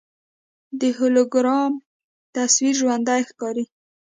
د هولوګرام تصویر ژوندی ښکاري.